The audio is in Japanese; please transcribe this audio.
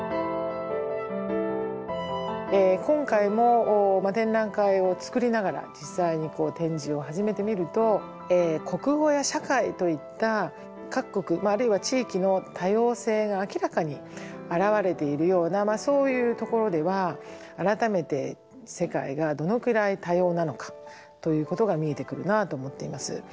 今回も展覧会を作りながら実際に展示を始めてみると国語や社会といった各国あるいは地域の多様性が明らかに表れているようなそういうところでは改めて世界がどのくらい多様なのかということが見えてくるなと思っています。